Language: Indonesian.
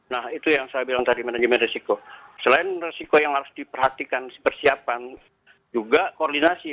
nah itu yang saya bilang tadi manajemen resiko selain resiko yang harus diperhatikan persiapan juga koordinasi